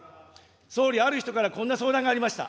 総理、ある人からこんな相談がありました。